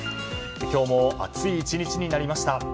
今日も暑い１日になりました。